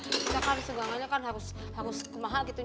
kita kan segangannya kan harus kemahal gitu